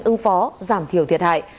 ứng phó giảm thiểu thiệt hại